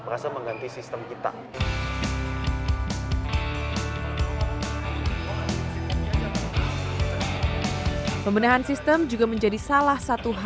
rasanya sih pas juga gitu